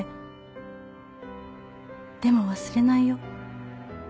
「でも忘れないよ」